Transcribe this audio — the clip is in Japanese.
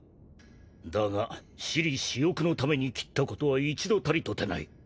だが私利私欲のために斬ったことは一度たりとてない。